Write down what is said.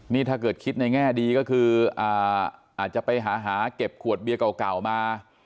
นี่ถ้าเกิดคิดในแง่ดีก็คืออาจจะไปหาหาเก็บขวดเบียร์เก่ามา